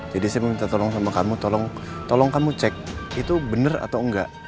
jadi saya mau minta tolong sama kamu tolong kamu cek itu bener atau enggak